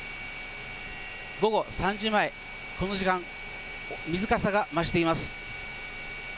午後３時前、この時間、水かさが増しています。